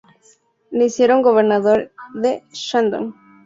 Le hicieron gobernador de Shandong.